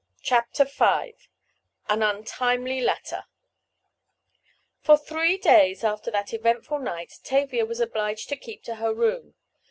CHAPTER V AN UNTIMELY LETTER For three days after that eventful night Tavia was obliged to keep to her room.